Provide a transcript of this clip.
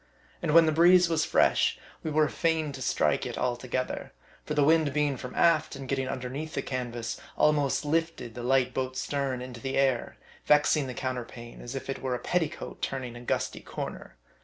And when the breeze was fresh, we M A B D I. 49 were fain to strike it altogether ; for the wind being from aft, and getting underneath the canvas, almost lifted the light boat's stern into the air, vexing the counterpane as if it were a petticoat turning a gusty corner.